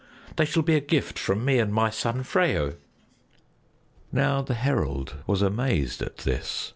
They shall be a gift from me and my son Freyo." Now the herald was amazed at this.